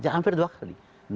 jadi hampir dua kali